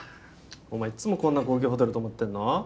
お前いっつもこんな高級ホテル泊まってんの？